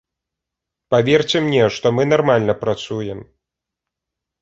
Паверце мне, што мы нармальна працуем.